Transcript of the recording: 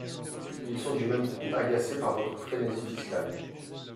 Ils sont du même coup agacés par votre frénésie fiscale.